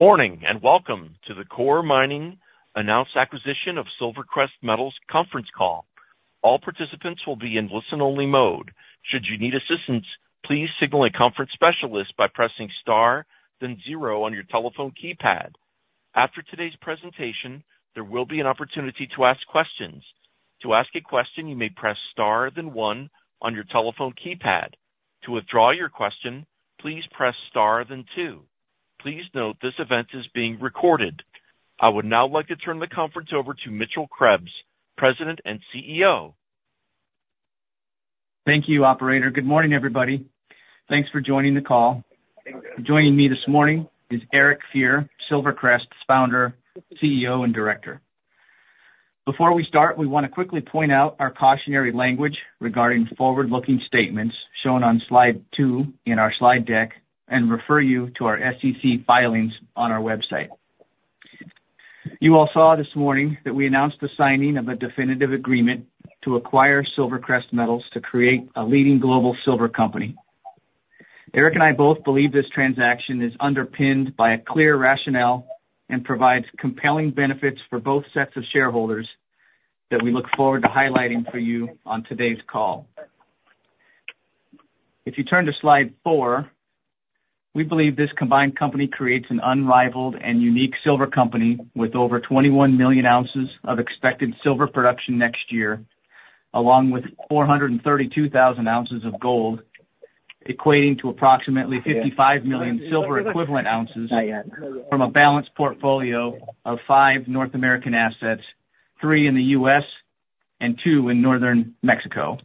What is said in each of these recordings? Morning, and welcome to the Coeur Mining Announced Acquisition of SilverCrest Metals conference call. All participants will be in listen-only mode. Should you need assistance, please signal a conference specialist by pressing star, then zero on your telephone keypad. After today's presentation, there will be an opportunity to ask questions. To ask a question, you may press star, then one on your telephone keypad. To withdraw your question, please press star, then two. Please note, this event is being recorded. I would now like to turn the conference over to Mitchell Krebs, President and CEO. Thank you, operator. Good morning, everybody. Thanks for joining the call. Joining me this morning is Eric Fier, SilverCrest's founder, CEO, and director. Before we start, we want to quickly point out our cautionary language regarding forward-looking statements shown on slide two in our slide deck and refer you to our SEC filings on our website. You all saw this morning that we announced the signing of a definitive agreement to acquire SilverCrest Metals to create a leading global silver company. Eric and I both believe this transaction is underpinned by a clear rationale and provides compelling benefits for both sets of shareholders that we look forward to highlighting for you on today's call. If you turn to slide four, we believe this combined company creates an unrivaled and unique silver company with over 21 million ounces of expected silver production next year, along with 432,000 ounces of gold, equating to approximately 55 million silver equivalent ounces from a balanced portfolio of five North American assets, three in the U.S. and two in northern Mexico.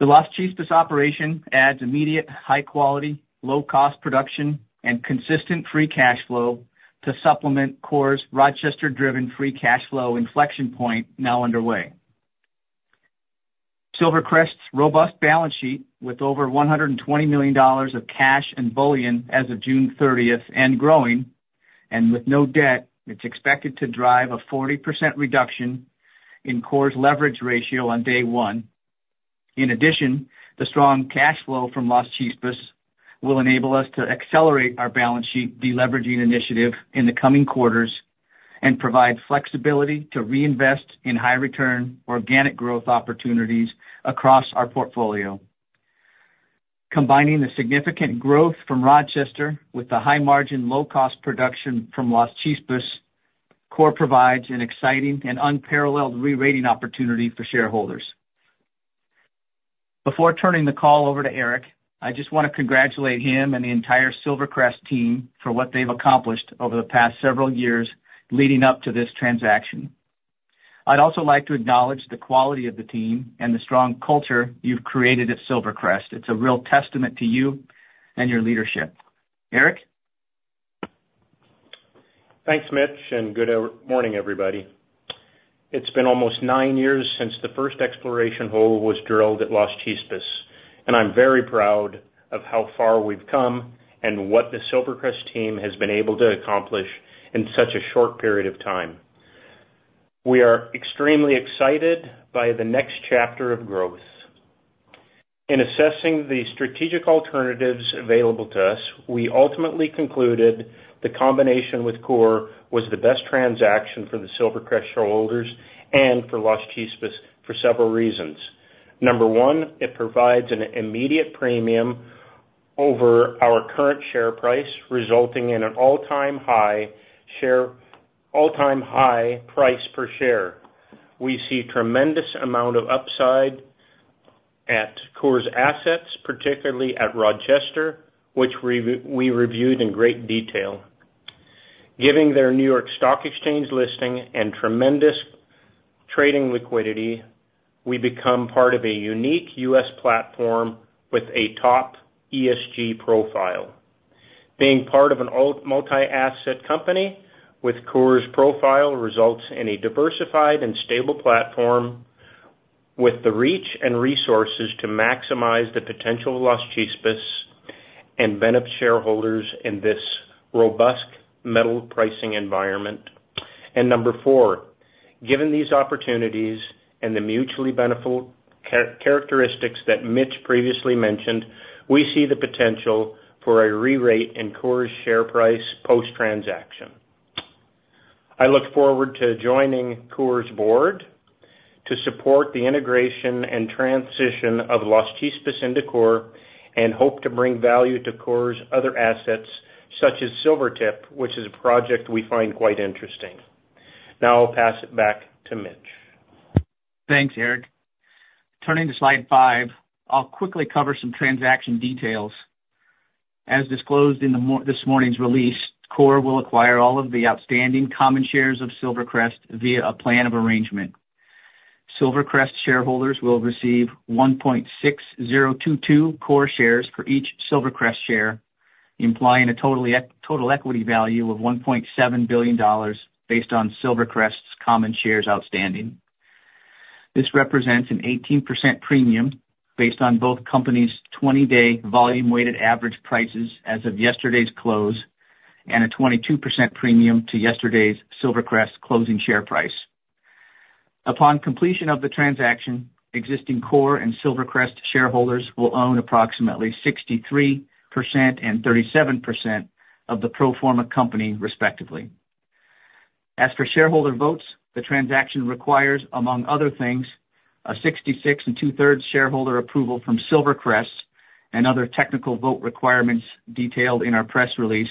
The Las Chispas operation adds immediate, high quality, low cost production and consistent free cash flow to supplement Coeur's Rochester-driven free cash flow inflection point, now underway. SilverCrest's robust balance sheet, with over $120 million of cash and bullion as of June thirtieth and growing, and with no debt, it's expected to drive a 40% reduction in Coeur's leverage ratio on day one. In addition, the strong cash flow from Las Chispas will enable us to accelerate our balance sheet deleveraging initiative in the coming quarters and provide flexibility to reinvest in high return organic growth opportunities across our portfolio. Combining the significant growth from Rochester with the high margin, low cost production from Las Chispas, Coeur provides an exciting and unparalleled re-rating opportunity for shareholders. Before turning the call over to Eric, I just want to congratulate him and the entire SilverCrest team for what they've accomplished over the past several years leading up to this transaction. I'd also like to acknowledge the quality of the team and the strong culture you've created at SilverCrest. It's a real testament to you and your leadership. Eric? Thanks, Mitch, and good morning, everybody. It's been almost nine years since the first exploration hole was drilled at Las Chispas, and I'm very proud of how far we've come and what the SilverCrest team has been able to accomplish in such a short period of time. We are extremely excited by the next chapter of growth. In assessing the strategic alternatives available to us, we ultimately concluded the combination with Coeur was the best transaction for the SilverCrest shareholders and for Las Chispas for several reasons. Number one, it provides an immediate premium over our current share price, resulting in an all-time high price per share. We see tremendous amount of upside at Coeur's assets, particularly at Rochester, which we reviewed in great detail. Giving their New York Stock Exchange listing and tremendous trading liquidity, we become part of a unique U.S. platform with a top ESG profile. Being part of a multi-asset company with Coeur's profile results in a diversified and stable platform, with the reach and resources to maximize the potential of Las Chispas and benefit shareholders in this robust metal pricing environment. Number four, given these opportunities and the mutually beneficial characteristics that Mitch previously mentioned, we see the potential for a re-rate in Coeur's share price post-transaction. I look forward to joining Coeur's board to support the integration and transition of Las Chispas into Coeur and hope to bring value to Coeur's other assets, such as Silvertip, which is a project we find quite interesting. Now I'll pass it back to Mitch. Thanks, Eric. Turning to slide five, I'll quickly cover some transaction details. As disclosed in this morning's release, Coeur will acquire all of the outstanding common shares of SilverCrest via a plan of arrangement. SilverCrest shareholders will receive 1.6022 Coeur shares for each SilverCrest share, implying a total equity value of $1.7 billion, based on SilverCrest's common shares outstanding. This represents an 18% premium, based on both companies' 20-day volume weighted average prices as of yesterday's close, and a 22% premium to yesterday's SilverCrest closing share price. Upon completion of the transaction, existing Coeur and SilverCrest shareholders will own approximately 63% and 37% of the pro forma company, respectively. As for shareholder votes, the transaction requires, among other things, a sixty-six and two-thirds shareholder approval from SilverCrest and other technical vote requirements detailed in our press release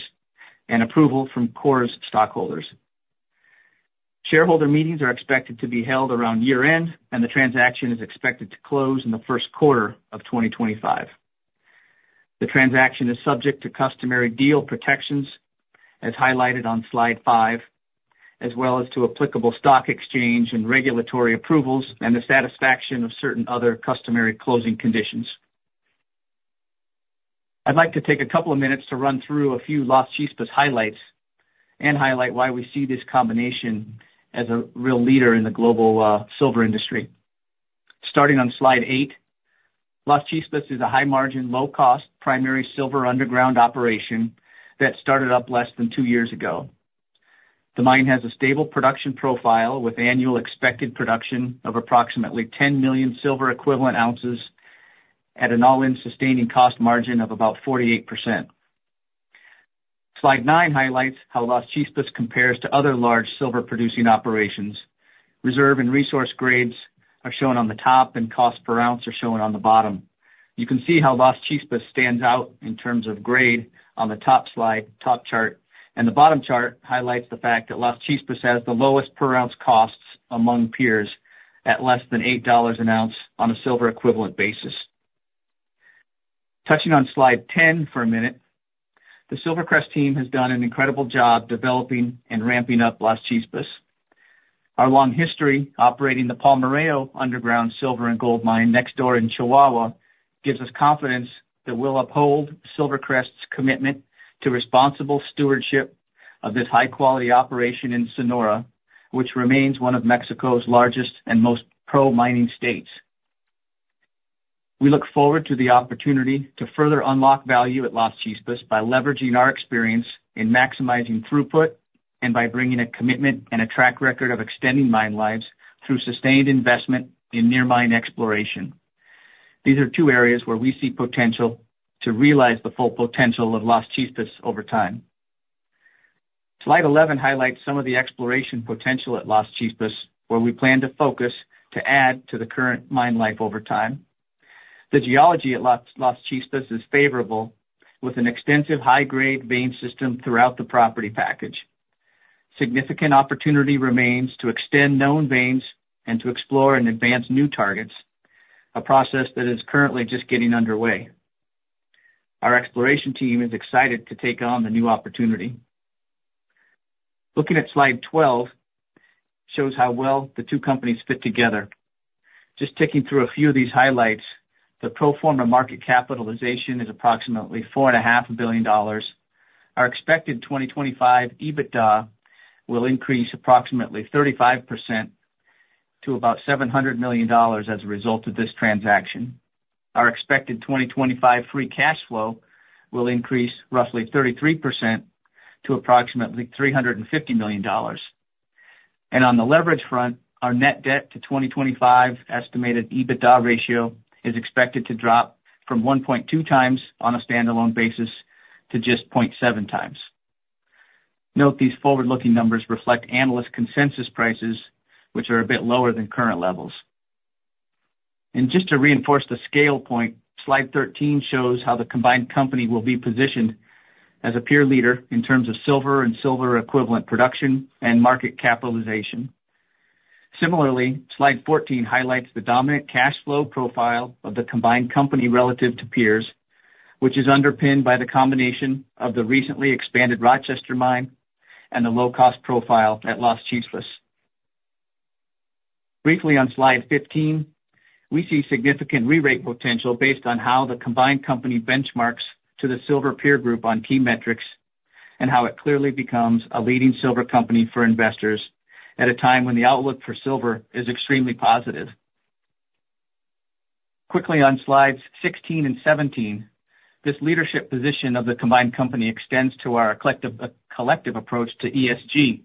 and approval from Coeur's stockholders. Shareholder meetings are expected to be held around year-end, and the transaction is expected to close in the first quarter of twenty twenty-five. The transaction is subject to customary deal protections, as highlighted on slide five, as well as to applicable stock exchange and regulatory approvals and the satisfaction of certain other customary closing conditions. I'd like to take a couple of minutes to run through a few Las Chispas highlights and highlight why we see this combination as a real leader in the global, silver industry. Starting on slide eight, Las Chispas is a high-margin, low-cost, primary silver underground operation that started up less than two years ago. The mine has a stable production profile, with annual expected production of approximately 10 million silver equivalent ounces at an all-in sustaining cost margin of about 48%. Slide 9 highlights how Las Chispas compares to other large silver-producing operations. Reserve and resource grades are shown on the top, and cost per ounce are shown on the bottom. You can see how Las Chispas stands out in terms of grade on the top slide, top chart. And the bottom chart highlights the fact that Las Chispas has the lowest per-ounce costs among peers at less than $8 an ounce on a silver equivalent basis. Touching on slide 10 for a minute, the SilverCrest team has done an incredible job developing and ramping up Las Chispas. Our long history operating the Palmarejo underground silver and gold mine next door in Chihuahua gives us confidence that we'll uphold SilverCrest's commitment to responsible stewardship of this high-quality operation in Sonora, which remains one of Mexico's largest and most pro-mining states. We look forward to the opportunity to further unlock value at Las Chispas by leveraging our experience in maximizing throughput and by bringing a commitment and a track record of extending mine lives through sustained investment in near mine exploration. These are two areas where we see potential to realize the full potential of Las Chispas over time. Slide 11 highlights some of the exploration potential at Las Chispas, where we plan to focus to add to the current mine life over time. The geology at Las Chispas is favorable, with an extensive high-grade vein system throughout the property package. Significant opportunity remains to extend known veins and to explore and advance new targets, a process that is currently just getting underway. Our exploration team is excited to take on the new opportunity. Looking at slide twelve shows how well the two companies fit together. Just ticking through a few of these highlights, the pro forma market capitalization is approximately $4.5 billion. Our expected 2025 EBITDA will increase approximately 35% to about $700 million as a result of this transaction. Our expected 2025 free cash flow will increase roughly 33% to approximately $350 million, and on the leverage front, our net debt to 2025 estimated EBITDA ratio is expected to drop from 1.2 times on a standalone basis to just 0.7 times. Note, these forward-looking numbers reflect analyst consensus prices, which are a bit lower than current levels. And just to reinforce the scale point, slide thirteen shows how the combined company will be positioned as a peer leader in terms of silver and silver equivalent production and market capitalization. Similarly, slide fourteen highlights the dominant cash flow profile of the combined company relative to peers, which is underpinned by the combination of the recently expanded Rochester Mine and the low-cost profile at Las Chispas. Briefly, on slide fifteen, we see significant re-rate potential based on how the combined company benchmarks to the silver peer group on key metrics, and how it clearly becomes a leading silver company for investors at a time when the outlook for silver is extremely positive. Quickly on slides 16 and 17, this leadership position of the combined company extends to our collective, collective approach to ESG,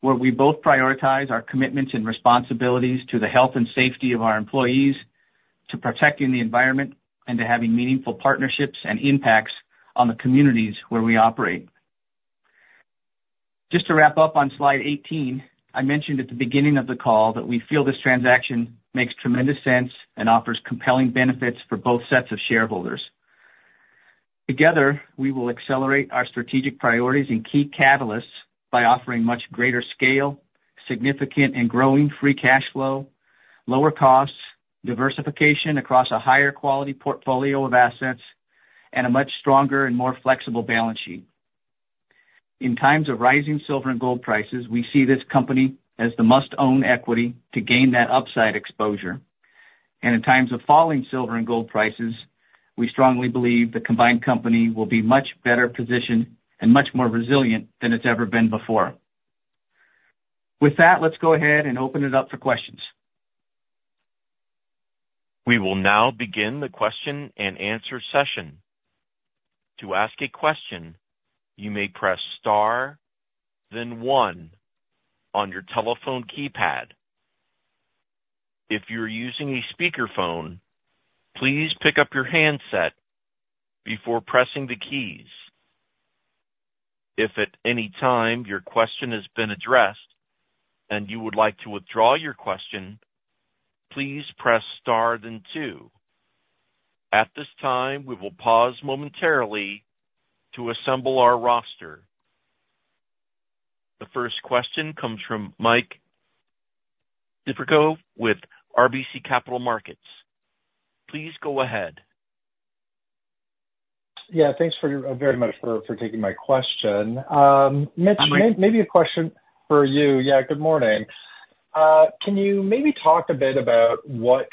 where we both prioritize our commitments and responsibilities to the health and safety of our employees, to protecting the environment, and to having meaningful partnerships and impacts on the communities where we operate. Just to wrap up on slide 18, I mentioned at the beginning of the call that we feel this transaction makes tremendous sense and offers compelling benefits for both sets of shareholders. Together, we will accelerate our strategic priorities and key catalysts by offering much greater scale, significant and growing free cash flow, lower costs, diversification across a higher quality portfolio of assets, and a much stronger and more flexible balance sheet. In times of rising silver and gold prices, we see this company as the must-own equity to gain that upside exposure, and in times of falling silver and gold prices, we strongly believe the combined company will be much better positioned and much more resilient than it's ever been before. With that, let's go ahead and open it up for questions. We will now begin the question and answer session. To ask a question, you may press star, then one on your telephone keypad. If you're using a speakerphone, please pick up your handset before pressing the keys. If at any time your question has been addressed and you would like to withdraw your question, please press star, then two. At this tr. The first question comes from ime, we will pause momentarily to assemble our Mike Siperco with RBC Capital Markets. Please go ahead. Yeah, thanks very much for taking my question. Mitch, maybe a question for you. Yeah, good morning. Can you maybe talk a bit about what,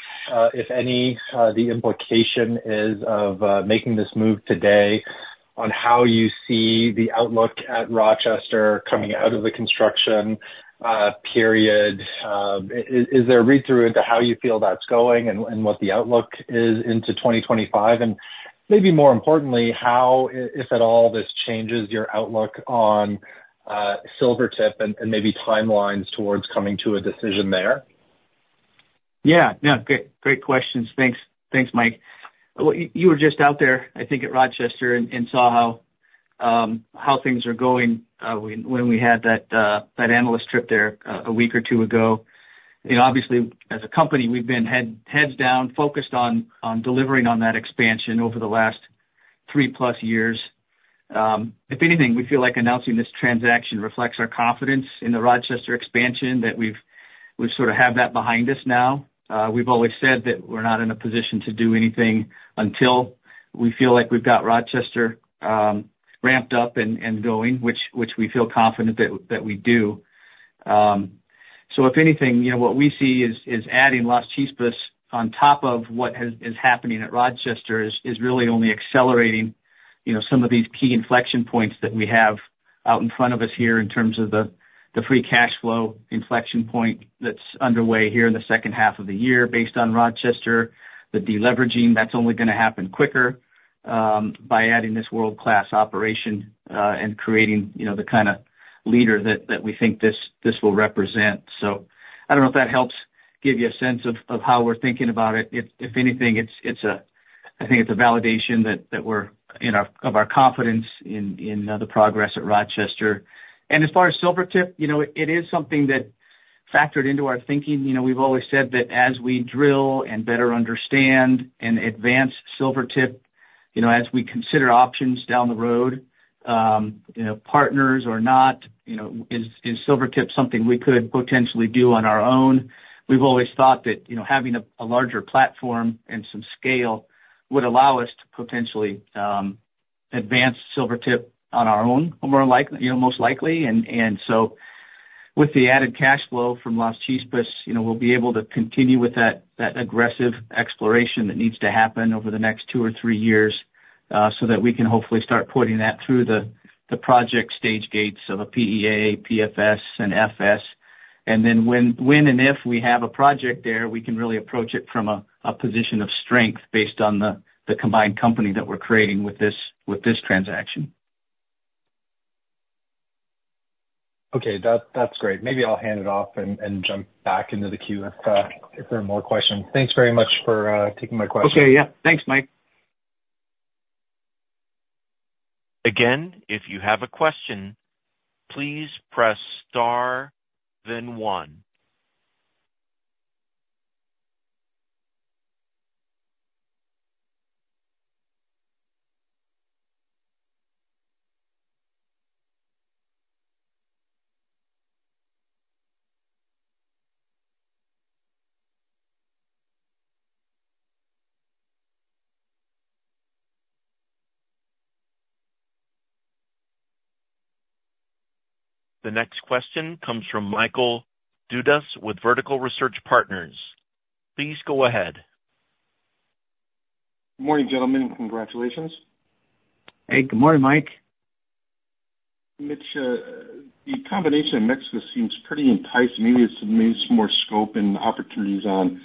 if any, the implication is of making this move today on how you see the outlook at Rochester coming out of the construction period? Is there a read-through into how you feel that's going and what the outlook is into twenty twenty-five? And maybe more importantly, how, if at all, this changes your outlook on Silvertip and maybe timelines towards coming to a decision there? Yeah. Yeah. Great, great questions. Thanks. Thanks, Mike. Well, you were just out there, I think, at Rochester and saw how things are going when we had that analyst trip there a week or two ago. You know, obviously, as a company, we've been heads down, focused on delivering on that expansion over the last three plus years. If anything, we feel like announcing this transaction reflects our confidence in the Rochester expansion, that we sort of have that behind us now. We've always said that we're not in a position to do anything until we feel like we've got Rochester ramped up and going, which we feel confident that we do. So if anything, you know, what we see is adding Las Chispas on top of what is happening at Rochester is really only accelerating, you know, some of these key inflection points that we have out in front of us here in terms of the free cash flow inflection point that's underway here in the second half of the year, based on Rochester. The deleveraging, that's only gonna happen quicker by adding this world-class operation and creating, you know, the kind of leader that we think this will represent. So I don't know if that helps give you a sense of how we're thinking about it. If anything, it's a validation that we're, you know, of our confidence in the progress at Rochester. And as far as Silvertip, you know, it is something that factored into our thinking. You know, we've always said that as we drill and better understand and advance Silvertip, you know, as we consider options down the road, you know, partners or not, you know, is Silvertip something we could potentially do on our own? We've always thought that, you know, having a larger platform and some scale would allow us to potentially advance Silvertip on our own, more likely, you know, most likely. And so with the added cash flow from Las Chispas, you know, we'll be able to continue with that aggressive exploration that needs to happen over the next two or three years, so that we can hopefully start putting that through the project stage gates of a PEA, PFS and FS. And then, when and if we have a project there, we can really approach it from a position of strength based on the combined company that we're creating with this transaction. Okay. That's great. Maybe I'll hand it off and jump back into the queue if there are more questions. Thanks very much for taking my question. Okay. Yeah. Thanks, Mike. Again, if you have a question, please press star, then one. The next question comes from Michael Dudas with Vertical Research Partners. Please go ahead. Good morning, gentlemen, and congratulations. Hey, good morning, Mike. Mitch, the combination of Mexico seems pretty enticing. Maybe some more scope and opportunities on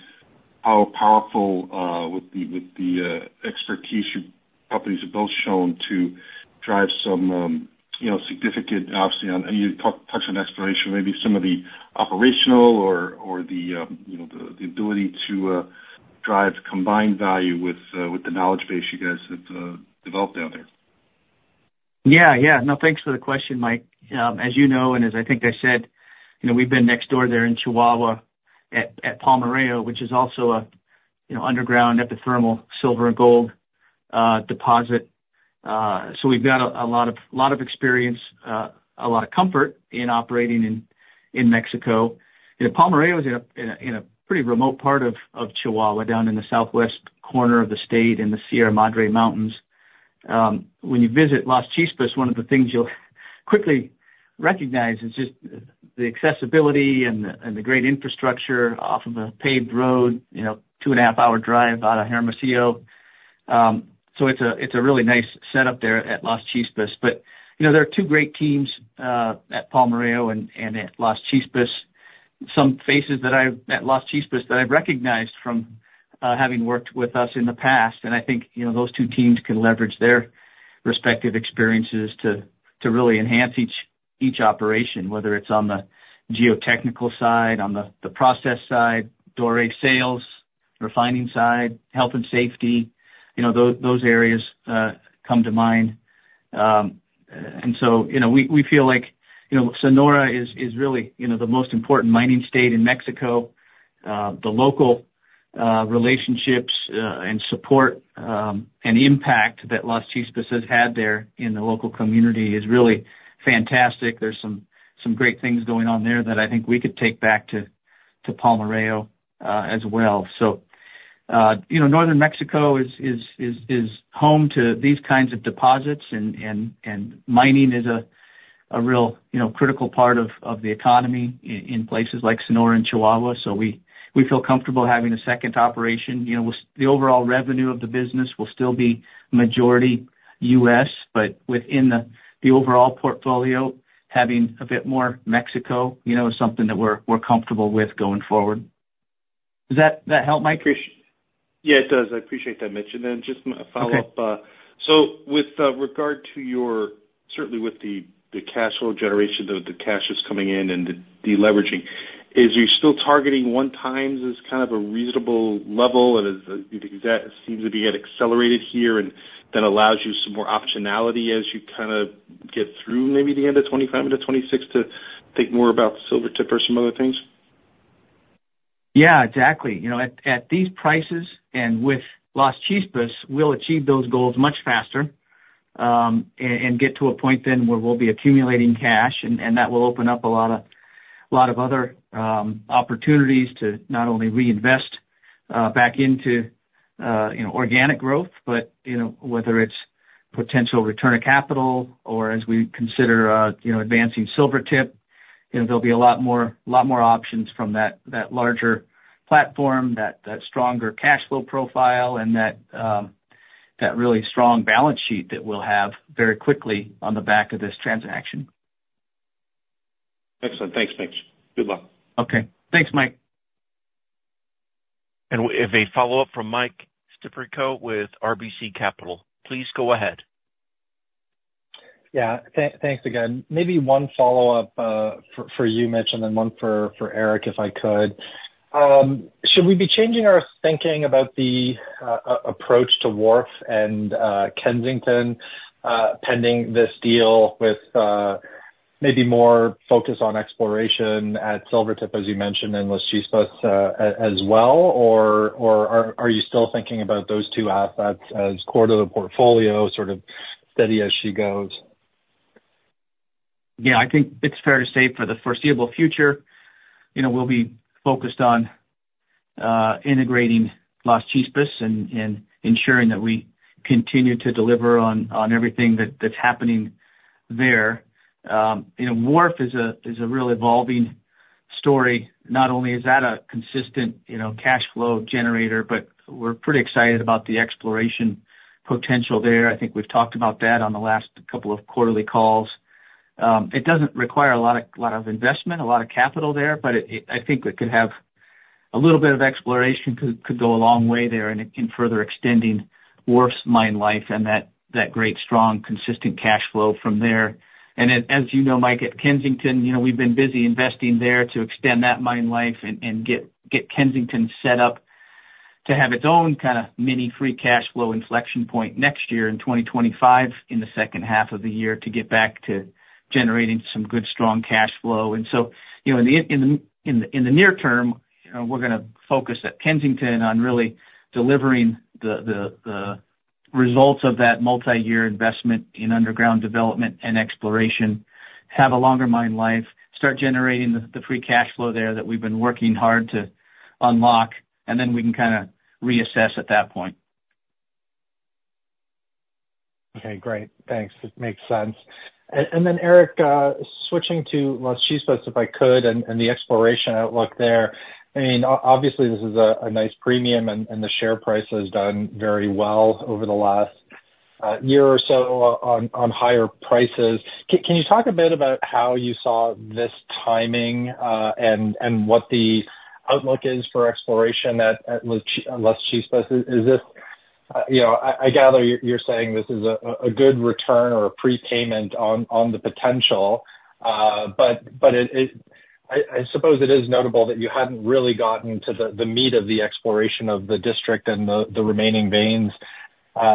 how powerful with the expertise your companies have both shown to drive some, you know, significant, obviously, on, and touched on exploration, maybe some of the operational or the, you know, the ability to drive combined value with the knowledge base you guys have developed out there. Yeah. Yeah. No, thanks for the question, Mike. As you know, and as I think I said, you know, we've been next door there in Chihuahua at Palmarejo, which is also a, you know, underground epithermal silver and gold deposit. So we've got a lot of experience, a lot of comfort in operating in Mexico. You know, Palmarejo is in a pretty remote part of Chihuahua, down in the southwest corner of the state, in the Sierra Madre mountains. When you visit Las Chispas, one of the things you'll quickly recognize is just the accessibility and the great infrastructure off of a paved road, you know, two and a half hour drive out of Hermosillo. So it's a really nice setup there at Las Chispas. But, you know, there are two great teams at Palmarejo and at Las Chispas. Some faces that I've recognized at Las Chispas from having worked with us in the past. And I think, you know, those two teams can leverage their respective experiences to really enhance each operation, whether it's on the geotechnical side, on the process side, direct sales, refining side, health and safety, you know, those areas come to mind. And so, you know, we feel like, you know, Sonora is really, you know, the most important mining state in Mexico. The local relationships and support and impact that Las Chispas has had there in the local community is really fantastic. There's some great things going on there that I think we could take back to Palmarejo, as well. So, you know, Northern Mexico is home to these kinds of deposits, and mining is a real, you know, critical part of the economy in places like Sonora and Chihuahua. So we feel comfortable having a second operation. You know, with the overall revenue of the business will still be majority US, but within the overall portfolio, having a bit more Mexico, you know, is something that we're comfortable with going forward. Does that help, Mike? Yeah, it does. I appreciate that, Mitch. And then just follow up- Okay. So with regard to your certainly with the cash flow generation, the cash that's coming in and the de-leveraging, is you still targeting one times as kind of a reasonable level? And because that seems to be accelerated here, and that allows you some more optionality as you kind of get through maybe the end of 2025 into 2026 to think more about Silvertip or some other things? Yeah, exactly. You know, at these prices, and with Las Chispas, we'll achieve those goals much faster, and get to a point then where we'll be accumulating cash, and that will open up a lot of other opportunities to not only reinvest back into, you know, organic growth, but, you know, whether it's potential return of capital or as we consider, you know, advancing Silvertip, you know, there'll be a lot more options from that larger platform, that stronger cash flow profile and that really strong balance sheet that we'll have very quickly on the back of this transaction. Excellent. Thanks, Mitch. Good luck. Okay. Thanks, Mike. And we have a follow-up from Mike Siperco with RBC Capital. Please go ahead. Yeah, thanks again. Maybe one follow-up, for you, Mitch, and then one for Eric, if I could. Should we be changing our thinking about the approach to Wharf and Kensington, pending this deal with, maybe more focus on exploration at Silvertip, as you mentioned, and Las Chispas, as well, or are you still thinking about those two assets as core to the portfolio, sort of steady as she goes? Yeah, I think it's fair to say, for the foreseeable future, you know, we'll be focused on integrating Las Chispas and ensuring that we continue to deliver on everything that's happening there. You know, Wharf is a real evolving story. Not only is that a consistent, you know, cash flow generator, but we're pretty excited about the exploration potential there. I think we've talked about that on the last couple of quarterly calls. It doesn't require a lot of investment, a lot of capital there, but I think it could have a little bit of exploration could go a long way there in further extending Wharf's mine life and that great, strong, consistent cash flow from there. As you know, Mike, at Kensington, you know, we've been busy investing there to extend that mine life and get Kensington set up to have its own kind of mini free cash flow inflection point next year in twenty twenty-five, in the second half of the year, to get back to generating some good, strong cash flow. So you know, in the near term, we're gonna focus at Kensington on really delivering the results of that multi-year investment in underground development and exploration, have a longer mine life, start generating the free cash flow there that we've been working hard to unlock, and then we can kind of reassess at that point. Okay, great. Thanks. It makes sense. And then, Eric, switching to Las Chispas, if I could, and the exploration outlook there. I mean, obviously, this is a nice premium, and the share price has done very well over the last year or so on higher prices. Can you talk a bit about how you saw this timing, and what the outlook is for exploration at Las Chispas? Is this... You know, I gather you're saying this is a good return or a prepayment on the potential. But it, I suppose it is notable that you hadn't really gotten to the meat of the exploration of the district and the remaining veins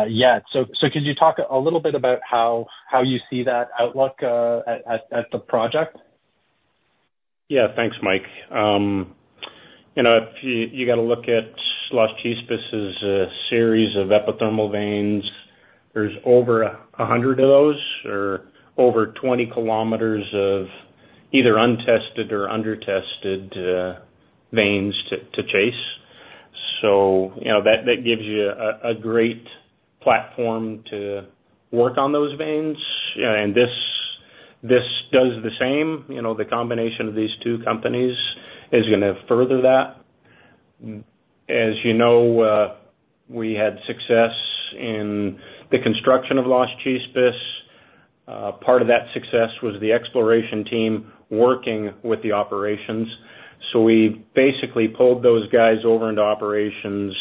yet. Could you talk a little bit about how you see that outlook at the project? Yeah. Thanks, Mike. You know, if you got to look at Las Chispas's series of epithermal veins, there's over 100 of those or over 20 kilometers of either untested or under-tested veins to chase. So, you know, that gives you a great platform to work on those veins, and this. This does the same. You know, the combination of these two companies is gonna further that. As you know, we had success in the construction of Las Chispas. Part of that success was the exploration team working with the operations. So we basically pulled those guys over into operations.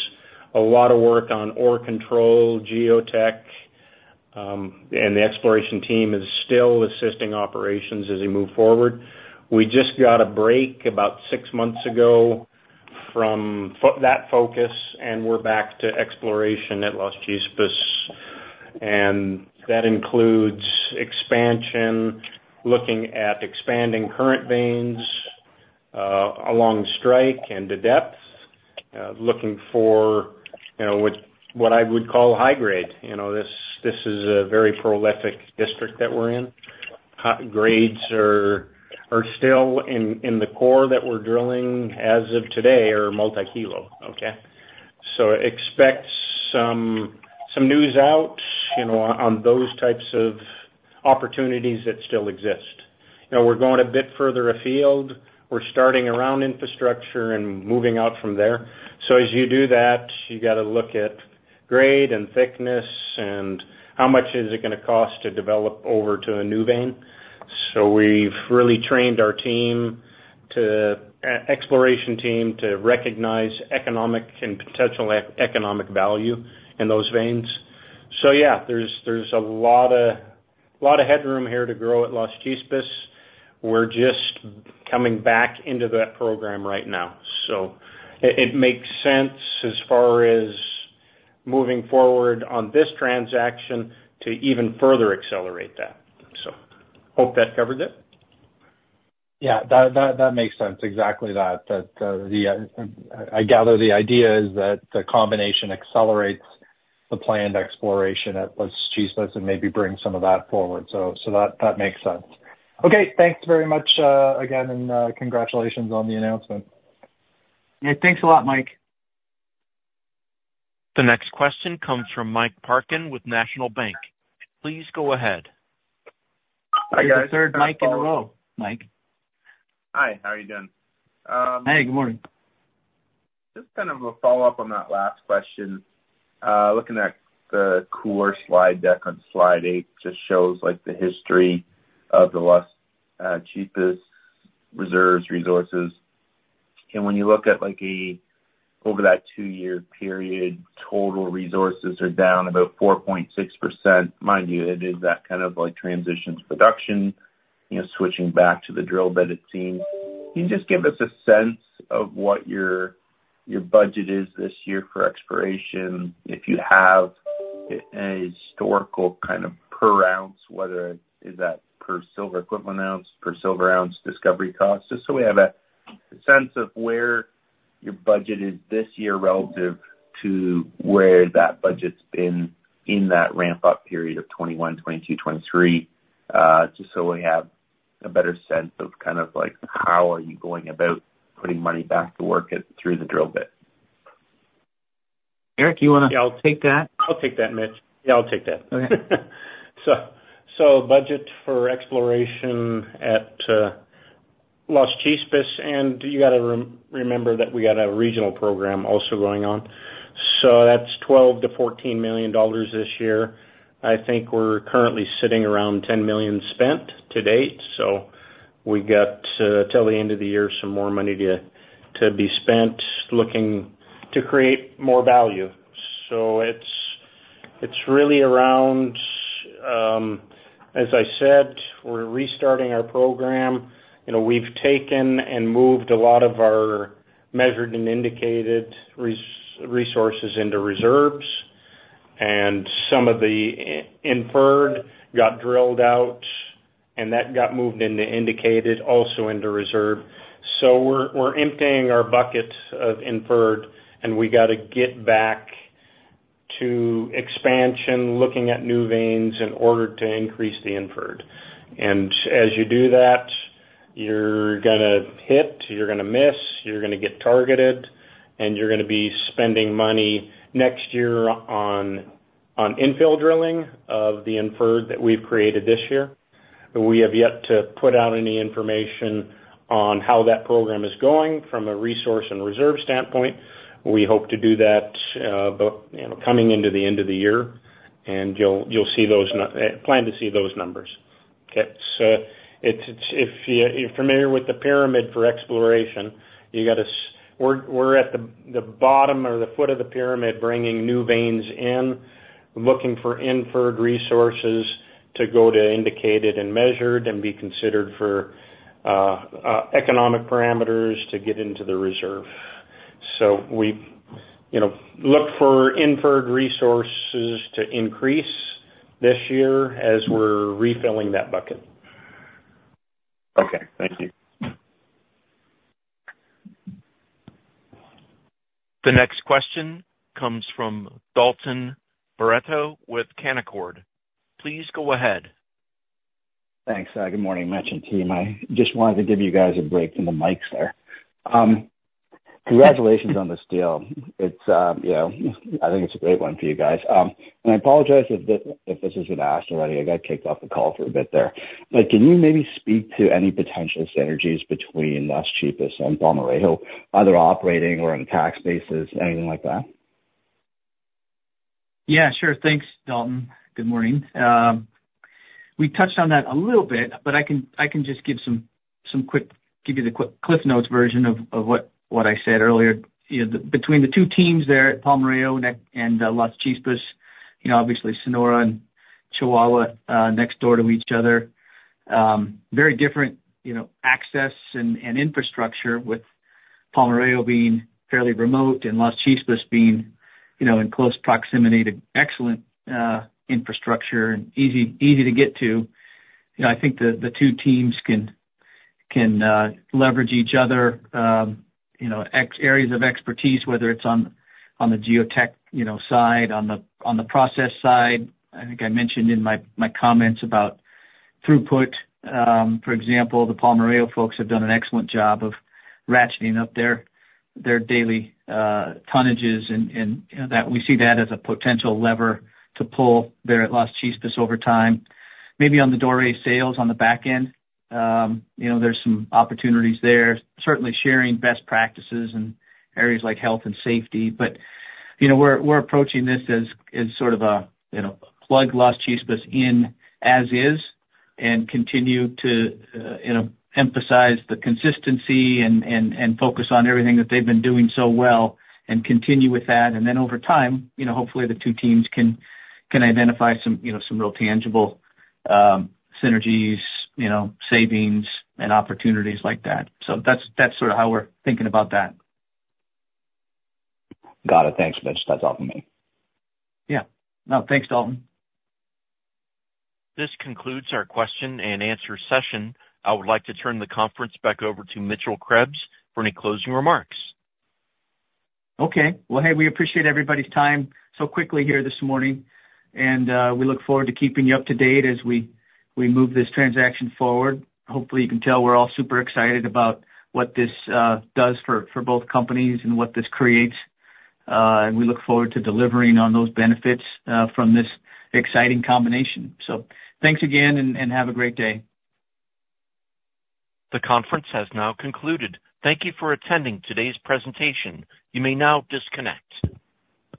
A lot of work on ore control, geotech, and the exploration team is still assisting operations as we move forward. We just got a break about six months ago from that focus, and we're back to exploration at Las Chispas, and that includes expansion, looking at expanding current veins, along strike and to depth, looking for, you know, what I would call high grade. You know, this is a very prolific district that we're in. High grades are still in the core that we're drilling as of today, are multi-kilo, okay? So expect some news out, you know, on those types of opportunities that still exist. Now we're going a bit further afield. We're starting around infrastructure and moving out from there. So as you do that, you gotta look at grade and thickness and how much is it gonna cost to develop over to a new vein. So we've really trained our team to exploration team to recognize economic and potential economic value in those veins. So yeah, there's a lot of headroom here to grow at Las Chispas. We're just coming back into that program right now. So it makes sense as far as moving forward on this transaction to even further accelerate that. So hope that covers it. Yeah, that makes sense. Exactly, I gather the idea is that the combination accelerates the planned exploration at Las Chispas and maybe bring some of that forward. So that makes sense. Okay, thanks very much again, and congratulations on the announcement. Yeah, thanks a lot, Mike. The next question comes from Mike Parkin with National Bank. Please go ahead. Hi, guys. You're the third Mike in a row, Mike. Hi, how are you doing? Hey, good morning. Just kind of a follow-up on that last question. Looking at the color slide deck on slide 8, just shows like the history of the Las Chispas reserves, resources. And when you look at, like, over that two-year period, total resources are down about 4.6%. Mind you, it is that kind of like transition to production, you know, switching back to the drill, but it seems. Can you just give us a sense of what your budget is this year for exploration? If you have a historical kind of per ounce, whether is that per silver equivalent ounce, per silver ounce, discovery cost, just so we have a sense of where your budget is this year relative to where that budget's been in that ramp-up period of 2021, 2022, 2023. Just so we have a better sense of kind of like, how are you going about putting money back to work at, through the drill bit. Eric, you wanna- Yeah, I'll take that. I'll take that, Mitch. Yeah, I'll take that. Okay. Budget for exploration at Las Chispas, and you gotta remember that we got a regional program also going on. That's $12-14 million this year. I think we're currently sitting around $10 million spent to date, so we got till the end of the year some more money to be spent looking to create more value. It's really around. As I said, we're restarting our program. You know, we've taken and moved a lot of our measured and indicated resources into reserves, and some of the inferred got drilled out, and that got moved into indicated, also into reserve. We're emptying our bucket of inferred, and we gotta get back to expansion, looking at new veins in order to increase the inferred. And as you do that, you're gonna hit, you're gonna miss, you're gonna get targeted, and you're gonna be spending money next year on infill drilling of the inferred that we've created this year. But we have yet to put out any information on how that program is going from a resource and reserve standpoint. We hope to do that, but you know, coming into the end of the year, and you'll see those numbers. Okay, so if you're familiar with the pyramid for exploration, you gotta, we're at the bottom or the foot of the pyramid, bringing new veins in, looking for inferred resources to go to indicated and measured and be considered for economic parameters to get into the reserve. We, you know, look for inferred resources to increase this year as we're refilling that bucket. Okay, thank you. The next question comes from Dalton Barreto with Canaccord. Please go ahead. Thanks. Good morning, Mitch and team. I just wanted to give you guys a break from the mics there. Congratulations on this deal. It's, you know, I think it's a great one for you guys. And I apologize if this has been asked already. I got kicked off the call for a bit there. But can you maybe speak to any potential synergies between Las Chispas and Palmarejo, either operating or on tax bases, anything like that? Yeah, sure. Thanks, Dalton. Good morning. We touched on that a little bit, but I can just give some quick CliffsNotes version of what I said earlier. You know, between the two teams there at Palmarejo and Las Chispas, you know, obviously Sonora and Chihuahua, next door to each other. Very different, you know, access and infrastructure with Palmarejo being fairly remote and Las Chispas being, you know, in close proximity to excellent infrastructure and easy to get to. You know, I think the two teams can leverage each other, you know, areas of expertise, whether it's on the geotech, you know, side, on the process side. I think I mentioned in my comments about throughput. For example, the Palmarejo folks have done an excellent job of ratcheting up their daily tonnages, and, you know, that we see that as a potential lever to pull there at Las Chispas over time. Maybe on the direct sales on the back end, you know, there's some opportunities there. Certainly sharing best practices in areas like health and safety. But, you know, we're approaching this as sort of a, you know, plug Las Chispas in as is, and continue to, you know, emphasize the consistency and focus on everything that they've been doing so well and continue with that. And then over time, you know, hopefully the two teams can identify some, you know, some real tangible synergies, you know, savings and opportunities like that. So that's sort of how we're thinking about that. Got it. Thanks, Mitch. That's all from me. Yeah. No, thanks, Dalton. This concludes our question and answer session. I would like to turn the conference back over to Mitchell Krebs for any closing remarks. Okay. Well, hey, we appreciate everybody's time so quickly here this morning, and we look forward to keeping you up to date as we move this transaction forward. Hopefully, you can tell we're all super excited about what this does for both companies and what this creates. And we look forward to delivering on those benefits from this exciting combination. So thanks again, and have a great day. The conference has now concluded. Thank you for attending today's presentation. You may now disconnect.